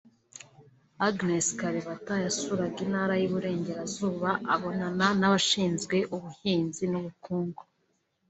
Agnes Kalibata yasuraga intara y’Iburengerezazuba abonana n’abashinzwe ubuhinzi n’ubukungu